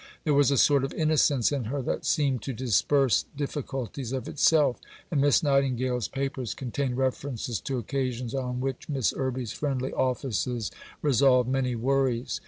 There was a sort of innocence in her that seemed to disperse difficulties of itself, and Miss Nightingale's papers contain references to occasions on which Miss Irby's friendly offices resolved many worries.